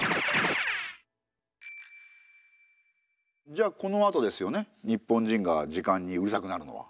じゃあこのあとですよね日本人が時間にうるさくなるのは。